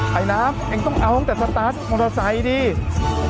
ให้น้ำแอ้งต้องเอาของแต่มอเตอร์ไซค์ดิโอ้